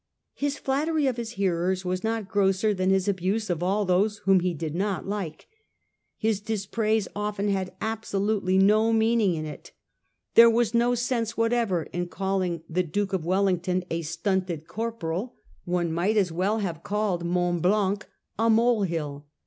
His flattery of his hearers was not grosser than his abuse of all those whom they did not like. His dispraise often had absolutely no meaning in it. There was no sense whatever in calling the Duke of 288 A HISTORY OF OUR OWN TIMES. ch. xn. Wellington 'a stunted corporal'; one might as well have called Mont Blanc a molehill.